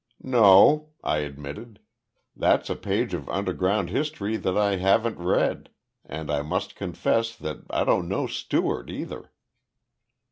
"No," I admitted, "that's a page of underground history that I haven't read and I must confess that I don't know Stewart, either."